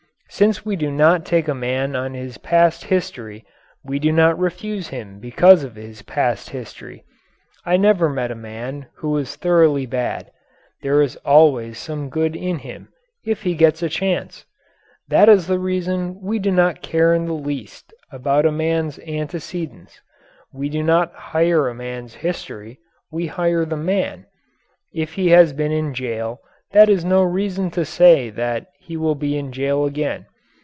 Since we do not take a man on his past history, we do not refuse him because of his past history. I never met a man who was thoroughly bad. There is always some good in him if he gets a chance. That is the reason we do not care in the least about a man's antecedents we do not hire a man's history, we hire the man. If he has been in jail, that is no reason to say that he will be in jail again.